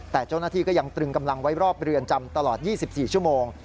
แต่เจ้าหน้าที่ก็ยังตรึงกำลังไว้รอบเรือนจำตลอด๒๔ชั่วโมง